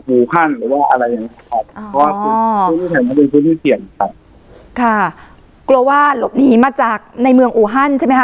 อูฮั่นหรือว่าอะไรอย่างนี้ครับอ๋อค่ะกลัวว่าหลบหนีมาจากในเมืองอูฮั่นใช่ไหมฮะ